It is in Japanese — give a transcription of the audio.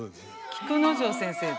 菊之丞先生だ。